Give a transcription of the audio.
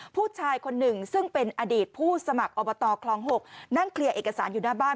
ผู้ชายคนหนึ่งซึ่งเป็นอดีตผู้สมัครอบตคลอง๖นั่งเคลียร์เอกสารอยู่หน้าบ้าน